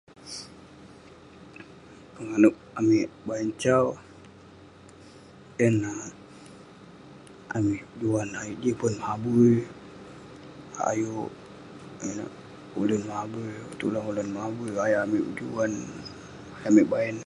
penganouk amik bayan sau, yan neh amik pejuan ayuk jipen mabui, ayuk tulin mabui..tulang mabui ayu amik pejuan ayuk amik bayan.